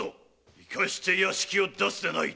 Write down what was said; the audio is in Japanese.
生かして屋敷を出すでない。